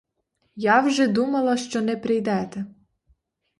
Я вже думала, що не прийдете.